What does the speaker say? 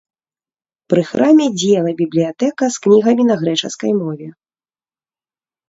Пры храме дзеяла бібліятэка з кнігамі на грэчаскай мове.